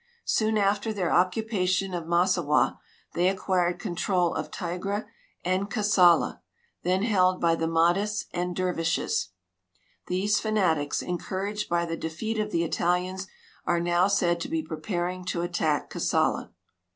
Soon after their occupation of Massowah they acquired control of Tigre and Kassala, then held by the Mahdists and Dervishes. These fanatics, encouraged by the defeat of the Italians, are now said to be preparing to attack Kassala.